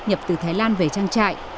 nhập từ thái lan về trang trại